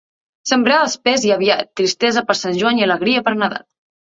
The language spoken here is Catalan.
Sembrar espès i aviat, tristesa per Sant Joan i alegria per Nadal.